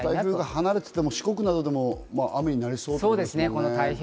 離れていても、四国などでも雨になりそうですね。